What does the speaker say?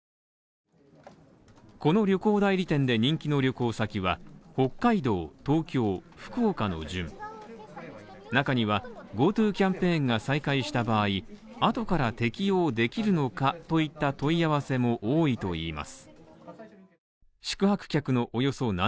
この旅行代理店で人気の旅行先は、北海道、東京、福岡の順ＧｏＴｏキャンペーンが再開した場合、後から適用できるのかといった問い合わせも多いといいます。